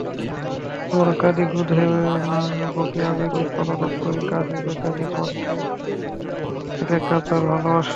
আমরা কাঁদি ক্রোধে, বকি আবেগে, কলরব করি কাজে-বেকাজে, কণ্ঠে থাকে কাতর ভালোবাসা।